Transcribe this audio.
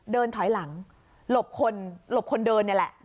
เดินถอยหลังหลบคนหลบคนเดินนี่แหละ